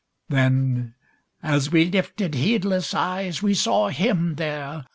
Then, as we lifted heedless eyes, We saw Him there.